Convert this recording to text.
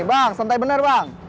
bang sentai bener bang